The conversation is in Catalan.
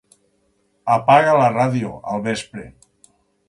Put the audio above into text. Apaga la ràdio al vespre.